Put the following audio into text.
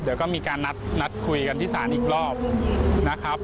เดี๋ยวก็มีการนัดคุยกันที่ศาลอีกรอบนะครับ